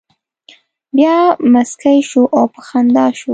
بیا مسکی شو او په خندا شو.